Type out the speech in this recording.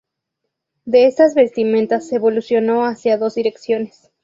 De estas vestimentas evolucionó hacia dos direcciones.